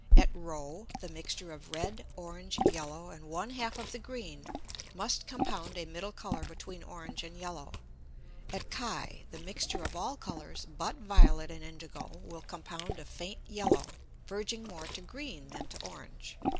At [Greek: r] the mixture of red, orange, yellow, and one half of the green must compound a middle Colour between orange and yellow. At [Greek: ch] the mixture of all Colours but violet and indigo will compound a faint yellow, verging more to green than to orange.